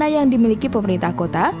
yang dimiliki pemerintah kota